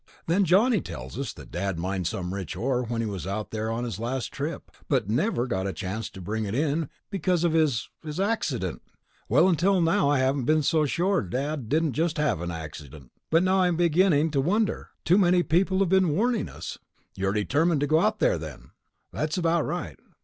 Then Johnny tells us that Dad mined some rich ore when he was out there on his last trip, but never got a chance to bring it in because of his ... accident. Up until now I haven't been so sure Dad didn't just have an accident, but now I'm beginning to wonder. Too many people have been warning us...." "You're determined to go out there, then?" "That's about right."